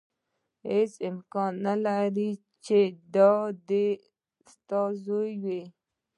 هېڅ امکان نه لري چې دا دې ستا زوی وي.